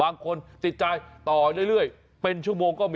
อารมณ์ของแม่ค้าอารมณ์การเสิรฟนั่งอยู่ตรงกลาง